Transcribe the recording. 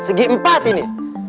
segi empat ini